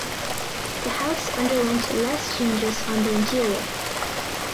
The house underwent less changes on the interior.